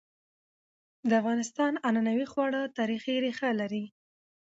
د افغانستان عنعنوي خواړه تاریخي ريښه لري.